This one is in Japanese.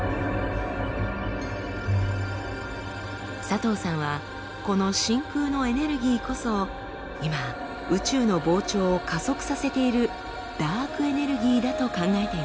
佐藤さんはこの真空のエネルギーこそ今宇宙の膨張を加速させているダークエネルギーだと考えています。